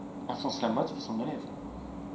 Alphonse Lamotte fut son élève.